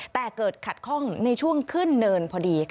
แต่เกิดขัดข้องในช่วงขึ้นเนินพอดีค่ะ